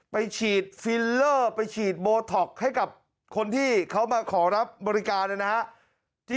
ไปฉีดฟิลเลอร์ไปฉีดโบท็อกซ์ให้กับคนที่เขามาขอรับบริการนะฮะ